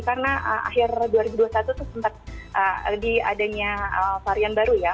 karena akhir dua ribu dua puluh satu itu sempat diadanya varian baru ya